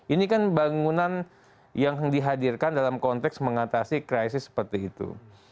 ini kan bangunan yang dihadirkan dalam konteks mengatasi krisis seperti itu